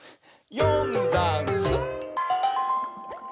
「よんだんす」